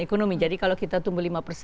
ekonomi jadi kalau kita tumbuh